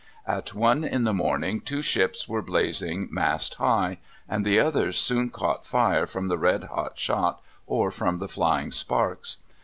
At one in the morning two ships were blazing mast high, and the others soon caught fire from the red hot shot or from the flying sparks.